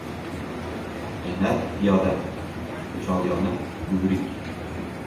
• Mehnat — piyoda, shodiyona — yugurik.